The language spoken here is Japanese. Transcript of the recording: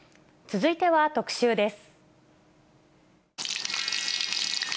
続いては特集です。